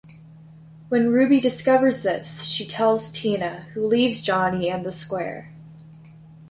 When Ruby discovers this she tells Tina, who leaves Johnny and the Square.